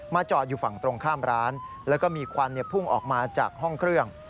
จอดอยู่ฝั่งตรงข้ามร้านแล้วก็มีควันพุ่งออกมาจากห้องเครื่อง